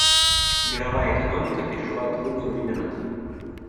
Мировая экономика переживает трудные времена.